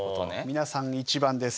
皆さん１番です。